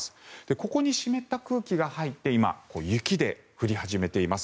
ここに湿った空気が入って今、雪で降り始めています。